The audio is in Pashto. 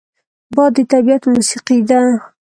باد د طبیعت موسیقي ده